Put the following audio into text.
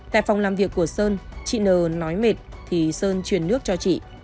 tại phòng làm việc của sơn chị nờ nói mệt thì sơn truyền nước cho chị